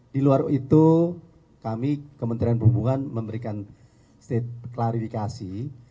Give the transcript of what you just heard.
di luar itu kami kementerian perhubungan memberikan state klarifikasi